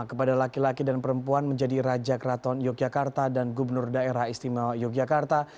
kepada laki laki dan perempuan menjadi raja keraton yogyakarta dan gubernur daerah istimewa yogyakarta